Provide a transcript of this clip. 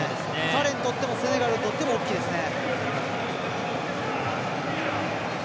彼にとってもセネガルにとっても大きいですね。